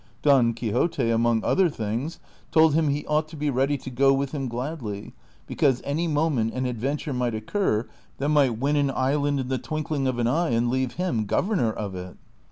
Don Quixote, among other things, told him he ought to be ready to go with him gladly, l)ecause any moment an ad venture might occur that might win an island in the twink ling of an eye and leave him governor of it.